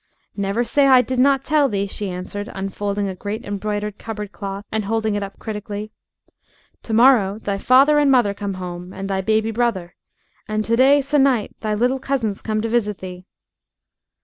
"Never say I did not tell thee," she answered, unfolding a great embroidered cupboard cloth and holding it up critically. "To morrow thy father and mother come home, and thy baby brother, and to day sennight thy little cousins come to visit thee."